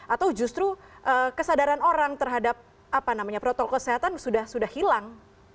atau justru kesadaran orang terhadap protokol kesehatan sudah hilang